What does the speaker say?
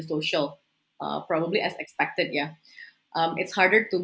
sosial mungkin seperti yang diharapkan